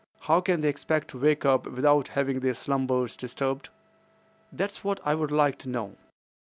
How can they expect to wake up without having their slumbers disturbed? That's what I would like to know.